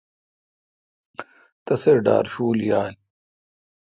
تسی ڈار شول یال۔